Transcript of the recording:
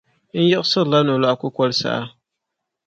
N yiɣisirila nolɔɣu kukoli saha.